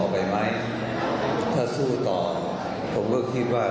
ไปไหมถ้าสู้ต่อผมก็คิดว่า